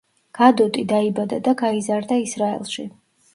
გადოტი დაიბადა და გაიზარდა ისრაელში.